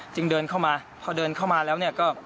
จึงเดินเข้ามาพอเดินเข้ามาแล้วเนี่ยก็